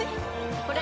これ！